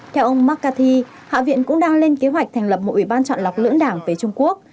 theo ông mccarthy hạ viện cũng đang lên kế hoạch thành lập một ủy ban chọn lọc lưỡng đảng về trung quốc